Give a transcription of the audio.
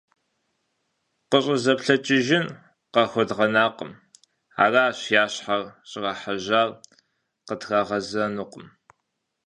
КъыщӀызэплъэкӀыжын къахуэдгъэнакъым, аращ я щхьэр щӀрахьэжьар – къытрагъэзэнукъым.